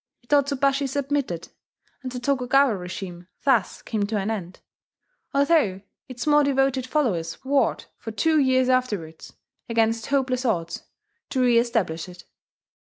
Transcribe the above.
Hitotsubashi submitted; and the Tokugawa regime thus came to an end, although its more devoted followers warred for two years afterwards, against hopeless odds, to reestablish it.